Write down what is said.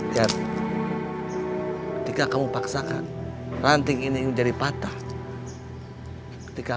hai yang ketika kamu paksakan ranting ini jadi patah ketika